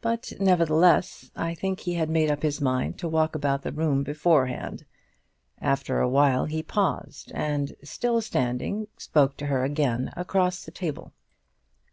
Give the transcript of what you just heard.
But, nevertheless, I think he had made up his mind to walk about the room beforehand. After a while he paused, and, still standing, spoke to her again across the table.